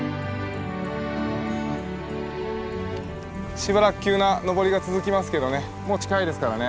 しばらく急な登りが続きますけどねもう近いですからね。